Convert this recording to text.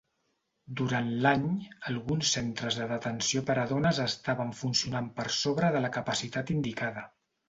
Durant l'any, alguns centres de detenció per a dones estaven funcionant per sobre de la capacitat indicada.